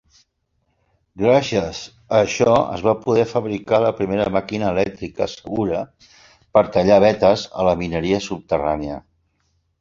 Gràcies a això, es va poder fabricar la primera màquina elèctrica segura per tallar vetes a la mineria subterrània.